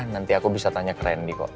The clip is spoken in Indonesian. nanti aku bisa tanya ke randy kok